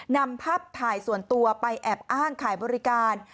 นำภาพถ่ายส่วนตัวไปแอบอ้างขายบริการ